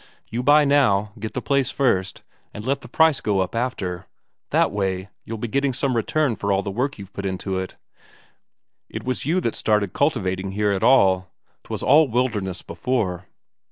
You buy now, get the place first, and let the price go up after that way, you'll be getting some return for all the work you've put into it. It was you that started cultivating here at all. 'Twas all wilderness before."